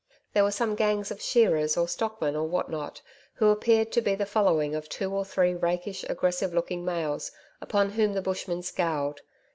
There were some gangs of shearers or stockmen or what not, who appeared to be the following of two or three rakish, aggressive looking males upon whom the bushmen scowled.